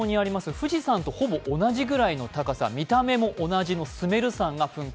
富士山とほぼ同じくらいの高さ、見た目同じのスメル山が噴火。